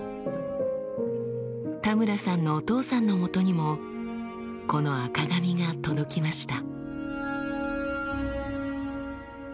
田村さんのお父さんのもとにもこの赤紙が届きました。